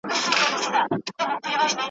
د زمان پر مېچن ګرځو له دورانه تر دورانه ,